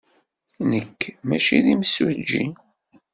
Nekk maci d imsujji.